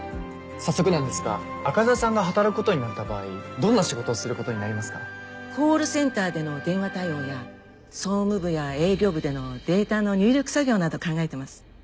早速なんですが赤座さんが働くことになった場合どんな仕事をすることになりますか？コールセンターでの電話対応や総務部や営業部でのデータの入力作業などを考えてます。